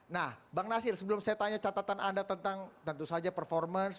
nah bang nasir sebelum saya tanya catatan anda tentang tentu saja performance